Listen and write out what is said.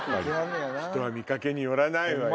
人は見掛けによらないわよ。